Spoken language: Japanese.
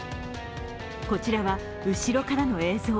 こちらは後ろからの映像。